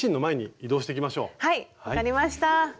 はい分かりました。